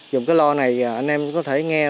dùng cái lo này anh em có thể nghe